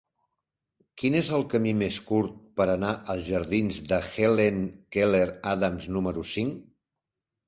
Quin és el camí més curt per anar als jardins de Helen Keller Adams número cinc?